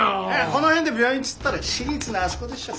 この辺で病院っつったら市立のあそこでしょ？